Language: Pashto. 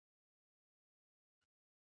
موږ باید له تاریخ څخه درس واخیستلای سو.